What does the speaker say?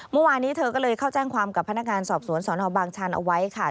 เมื่อวานนี้เธอก็เลยเข้าแจ้งความกับพนักงานสอบสวนสนบางชันเอาไว้ค่ะ